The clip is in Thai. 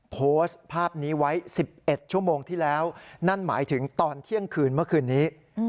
โพสต์ภาพนี้ไว้๑๑ชั่วโมงที่แล้วนั่นหมายถึงตอนเที่ยงคืนเมื่อคืนนี้